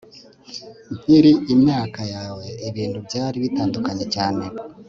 Nkiri imyaka yawe ibintu byari bitandukanye cyane